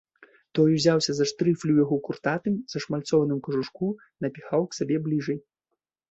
Той узяўся за штрыфлі ў яго куртатым, зашмальцованым кажушку, напіхаў к сабе бліжай.